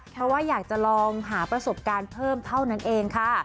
เพราะว่าอยากจะลองหาประสบการณ์เพิ่มเท่านั้นเองค่ะ